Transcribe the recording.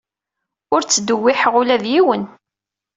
Ur ttdewwiḥeɣ ula d yiwen.